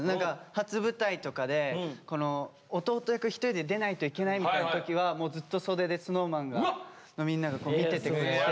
初舞台とかで弟役一人で出ないといけないみたいな時はもうずっと袖でＳｎｏｗＭａｎのみんなが見ててくれて。